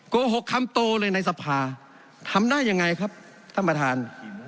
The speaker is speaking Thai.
โกหกคำโตเลยในสภาทำได้ยังไงครับท่านประธาน